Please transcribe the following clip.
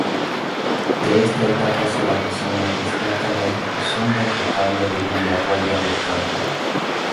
De esta etapa zaragozana destaca la ejecución del retablo de Villarroya del Campo.